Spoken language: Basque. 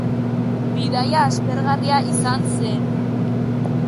Bidaia aspergarria izan zen